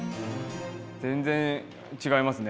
全然違いますね。